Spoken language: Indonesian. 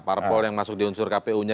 parpol yang masuk di unsur kpu nya